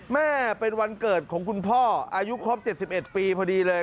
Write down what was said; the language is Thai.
แม่เป็นวันเกิดของคุณพ่ออายุครบ๗๑ปีพอดีเลย